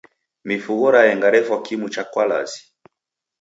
Mifugho raenga refwa kimu cha kwalazi.